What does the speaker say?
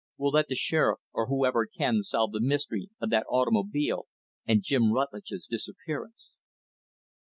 We'll let the Sheriff, or whoever can, solve the mystery of that automobile and Jim Rutlidge's disappearance."